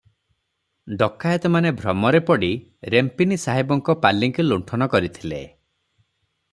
ଡକାଏତମାନେ ଭ୍ରମରେ ପଡି ରେମ୍ପିନି ସାହେବଙ୍କ ପାଲିଙ୍କି ଲୁଣ୍ଠନ କରିଥିଲେ ।